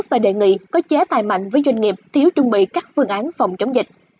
và đề nghị có chế tài mạnh với doanh nghiệp thiếu chuẩn bị các phương án phòng chống dịch